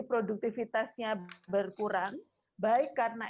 produktifitasnya berkurang baik karena